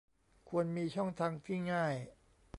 ควรมีช่องทางที่ง่าย